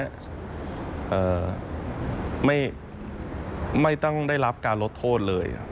เอ่อไม่ไม่ต้องได้รับการลดโทษเลย